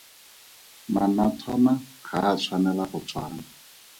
Manathwana ga a a tshwanela go tshwana.